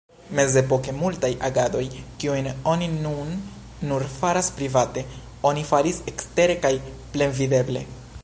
Mezepoke, multaj agadoj, kiujn oni nun nur faras private, oni faris ekstere kaj plenvideble.